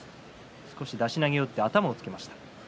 少し出し投げを打って頭をつけました。